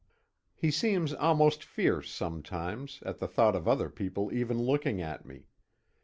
He seems almost fierce sometimes, at the thought of other people even looking at me.